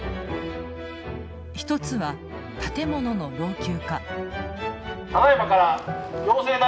一つは建物の老朽化。